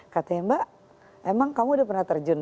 katanya mbak emang kamu udah pernah terjun